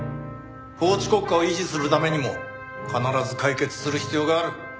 法治国家を維持するためにも必ず解決する必要がある！